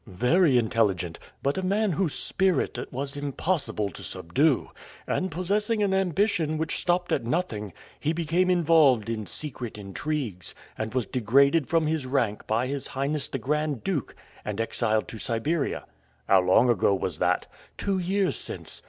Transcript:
"Very intelligent, but a man whose spirit it was impossible to subdue; and possessing an ambition which stopped at nothing, he became involved in secret intrigues, and was degraded from his rank by his Highness the Grand Duke, and exiled to Siberia." "How long ago was that?" "Two years since.